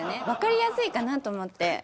わかりやすいかなと思って。